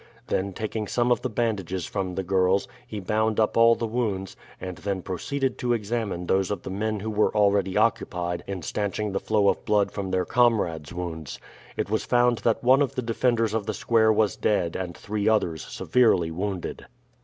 Then taking some of the bandages from the girls, he bound up all the wounds, and then proceeded to examine those of the men who were already occupied in stanching the flow of blood from their comrades' wounds. It was found that one of the defenders of the square was dead and three others severely wounded.